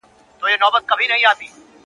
دا ستا دسرو سترگو خمار وچاته څه وركوي.